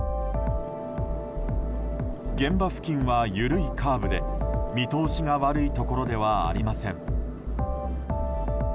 現場付近は緩いカーブで見通しが悪いところではありません。